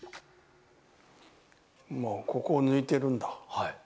ここを抜いてるんだ。